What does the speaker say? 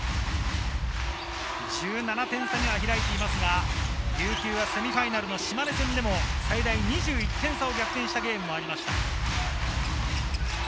１７点差開いていますが、琉球はセミファイナルの島根戦でも最大２１点差を逆転したゲームもありました。